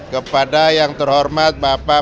kepada yang terhormat bapak